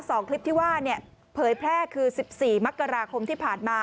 สองคลิปที่ว่าเนี่ยเผยแพร่คือสิบสี่มกราคมที่ผ่านมา